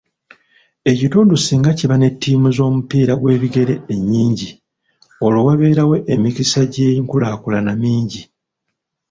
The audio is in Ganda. Ekitundu singa kiba ne ttiimu z'omupiira gw'ebigere ennyingi, olwo wabeerawo emikisa gy'enkulaakulana mingi.